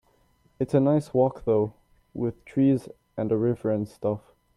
It's a nice walk though, with trees and a river and stuff.